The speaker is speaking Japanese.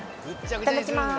いただきます。